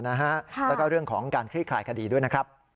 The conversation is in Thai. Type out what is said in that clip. แล้วก็เรื่องของการคลี่คลายคดีด้วยนะครับ